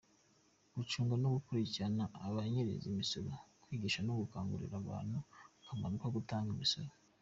Gucunga no gukurikirana abanyereza imisoro, kwigisha no gukangurira abantu akamaro ko gutanga imisoro.